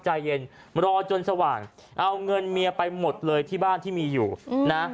ใจเย็นรอจนสว่างเอาเงินเมียไปหมดเลยที่บ้านที่มีอยู่นะ